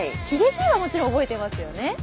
ヒゲじいはもちろん覚えてますよね？